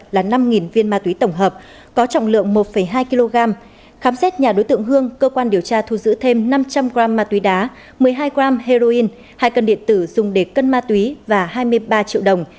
là năm viên ma túy tổng hợp có trọng lượng một hai kg khám xét nhà đối tượng hương cơ quan điều tra thu giữ thêm năm trăm linh g ma túy đá một mươi hai g heroin hai cân điện tử dùng để cân ma túy và hai mươi ba triệu đồng